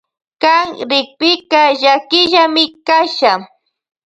Kan rikpika llakillami kasha.